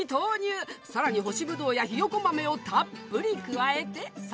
さらに干しぶどうやひよこ豆をたっぷり加えて３０分。